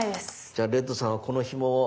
じゃあレッドさんはこのひもを。